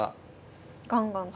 ガンガンと。